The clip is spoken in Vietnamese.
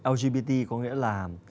lgbt có nghĩa là